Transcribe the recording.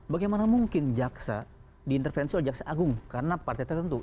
bagaimana mungkin jaksa diintervensi oleh jaksa agung karena partai tertentu